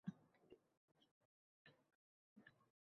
Oradan bir hafta o’tib-o’tmay Malika ham olamdan o’tdi.